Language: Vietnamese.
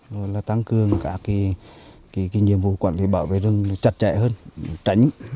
rồi là tăng cường các nhiệm vụ quản lý bảo vệ rừng chặt chẽ hơn tránh